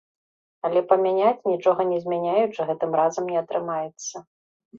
Але памяняць, нічога не змяняючы, гэтым разам не атрымаецца.